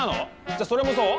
じゃあそれもそう？